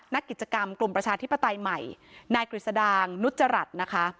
นักกิจกรรมกลุ่มประชาธิปไตยใหม่นายกฤษดางนุจจรัสนะคะ